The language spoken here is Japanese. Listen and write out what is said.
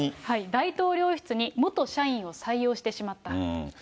大統領室に元社員を採用してしまった。